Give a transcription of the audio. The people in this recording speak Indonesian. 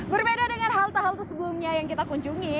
berbeda dengan halte halte sebelumnya yang kita kunjungi